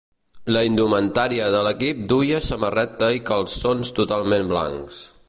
La indumentària de l'equip duia samarreta i calçons totalment blancs.